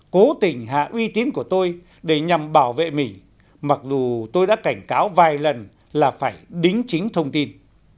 cố tình hạ uy tín của tôi để nhằm bảo vệ mình mặc dù tôi đã cảnh cáo vài lần là phải đính chính thông tin